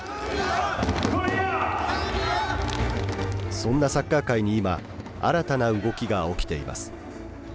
そんなサッカー界に今新たな動きが起きています。